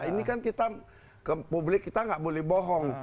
ini kan kita publik kita nggak boleh bohong